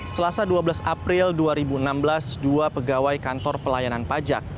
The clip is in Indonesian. selasa dua belas april dua ribu enam belas dua pegawai kantor pelayanan pajak